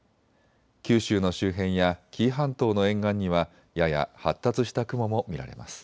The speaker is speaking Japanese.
九州の周辺や紀伊半島の沿岸にはやや発達した雲も見られます。